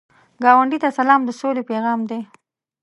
ګاونډي ته سلام، د سولې پیغام دی